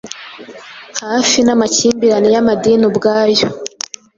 Hafi n'amakimbirane y'amadini ubwayo